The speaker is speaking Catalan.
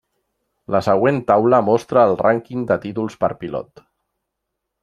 La següent taula mostra el Rànquing de títols per pilot.